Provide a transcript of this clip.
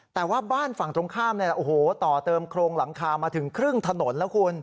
แต่ว่าบ้านฝั่งตรงข้ามต่อเติมโครงหลังคามาถึงครึ่งถนนแล้วคุณ